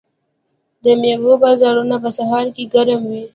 د میوو بازارونه په سهار کې ګرم وي.